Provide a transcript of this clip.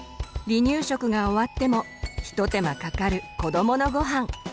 離乳食が終わっても一手間かかる子どものごはん。